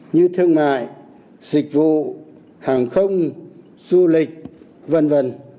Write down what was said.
như thương mại dịch vụ hàng không du lịch v v